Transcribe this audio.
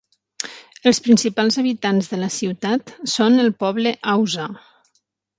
Els principals habitants de la ciutat són el poble hausa.